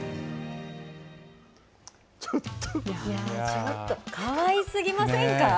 ちょっとかわいすぎませんか。